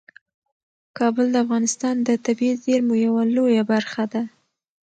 کابل د افغانستان د طبیعي زیرمو یوه لویه برخه ده.